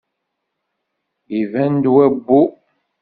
Iban-d wabbu.